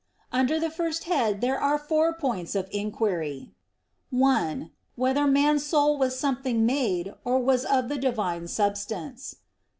Under the first head there are four points of inquiry: (1) Whether man's soul was something made, or was of the Divine substance?